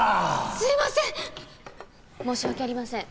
すいません！